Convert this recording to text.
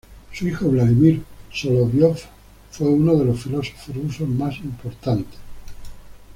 Su hijo Vladímir Soloviov fue uno de los filósofos rusos más importantes.